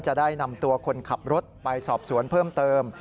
จะได้นำตัวคนขับรถไปสอบสวนเพิ่มเติม